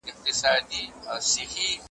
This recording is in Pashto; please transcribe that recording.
لوی واړه به پر سجده ورته پراته وي `